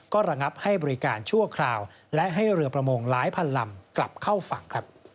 ก็ระงับให้บริการชั่วคราวและให้เรือประมงหลายพันลำกลับเข้าฝั่ง